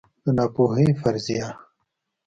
د ناپوهۍ فرضیه